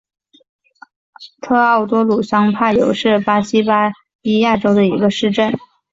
特奥多鲁桑帕尤是巴西巴伊亚州的一个市镇。